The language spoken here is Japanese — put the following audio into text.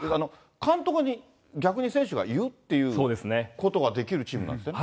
監督に逆に選手が言うっていうことができるチームなんですよね。